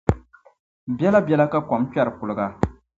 Biɛlabiɛla ka kom kpɛri kuliga.